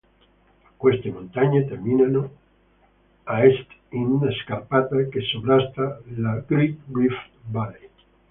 Queste montagne terminano a est in una scarpata che sovrasta la Great Rift Valley.